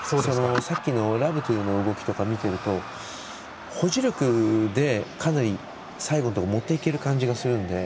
さっきのラバトゥの動きとか見てると補助力で、かなり最後まで持っていける感じがするので。